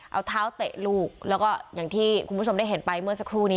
เอาเท้าเตะลูกแล้วก็อย่างที่คุณผู้ชมได้เห็นไปเมื่อสักครู่นี้